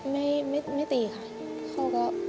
ไม่ตีค่ะ